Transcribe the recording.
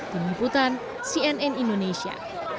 dengan hibutan cnn indonesia